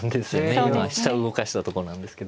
今飛車動かしたとこなんですけど。